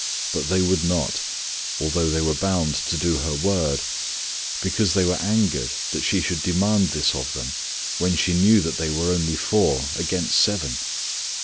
But they would not, although they were bound to do her word, because they were angered that she should demand this of them when she knew that they were only four against seven.